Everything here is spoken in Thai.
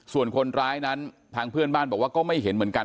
ส่วนคนร้ายนั้นทางเพื่อนบ้านบอกว่าก็ไม่เห็นเหมือนกัน